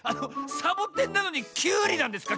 サボテンなのにきゅうりなんですか？